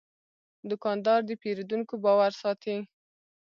دوکاندار د پیرودونکو باور ساتي.